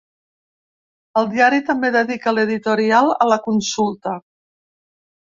El diari també dedica l’editorial a la consulta.